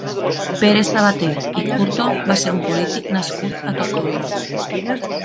Pere Sabaté i Curto va ser un polític nascut a Tortosa.